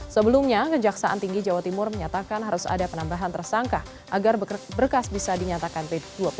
sebelumnya kejaksaan tinggi jawa timur menyatakan harus ada penambahan tersangka agar berkas bisa dinyatakan p dua puluh